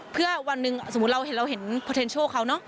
เพื่อวันหนึ่งสมมุติเราเห็นพอเทนเชิลเขา